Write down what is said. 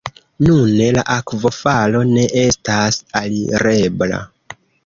Nune la akvofalo ne estas alirebla.